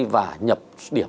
và nhập điểm